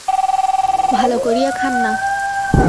ভালো করিয়া খান না।